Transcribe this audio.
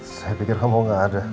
saya pikir kamu gak ada